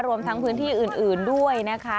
รวมทั้งพื้นที่อื่นด้วยนะคะ